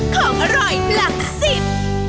ของอร่อยหลักสิบ